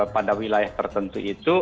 pada wilayah tertentu itu